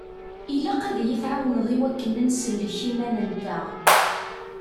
Ilaq ad yi-tɛawneḍ i wakken ad nsellek iman-nteɣ.